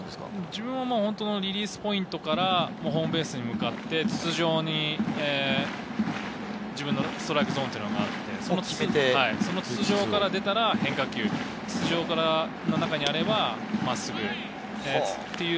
自分はリリースポイントからホームベースに向かって自分のストライクゾーンがあって、筒状から出たら、変化球、筒状の中にあればストライク。